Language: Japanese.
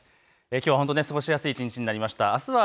きょうは本当に過ごしやすい一日になりました。